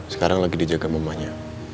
sekarang lagi dijaga mamanya